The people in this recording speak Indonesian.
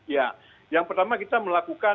ya yang pertama kita melakukan